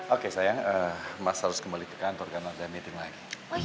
oke sayang mas harus kembali ke kantor karena ada meeting lagi